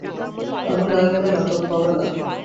আমি না গেলে নাটক হবে না।